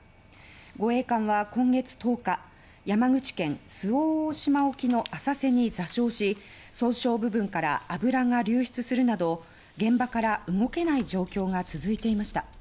護衛艦は今月１０日山口県周防島沖の浅瀬に座礁し損傷部分から油が流出するなど現場から動けない状況が続いていました。